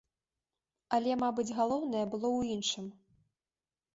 Але, мабыць, галоўнае было ў іншым.